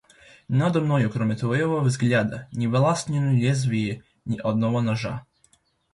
Надо мною, кроме твоего взгляда, не властно лезвие ни одного ножа.